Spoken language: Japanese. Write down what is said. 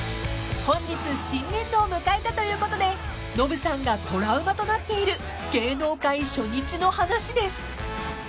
［本日新年度を迎えたということでノブさんがトラウマとなっている芸能界初日の話です］